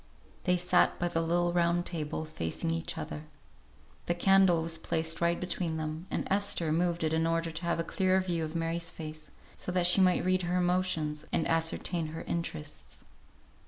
They sat by the little round table, facing each other. The candle was placed right between them, and Esther moved it in order to have a clearer view of Mary's face, so that she might read her emotions, and ascertain her interests.